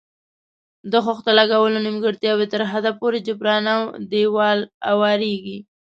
د خښتو لګولو نیمګړتیاوې تر حده پورې جبران او دېوال اواریږي.